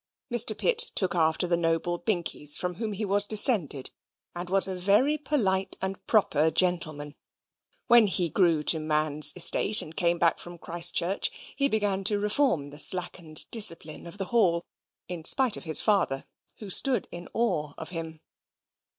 Mr. Pitt took after the noble Binkies, from whom he was descended, and was a very polite and proper gentleman. When he grew to man's estate, and came back from Christchurch, he began to reform the slackened discipline of the hall, in spite of his father, who stood in awe of him.